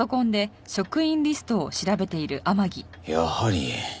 やはり。